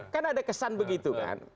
kan ada kesan begitu kan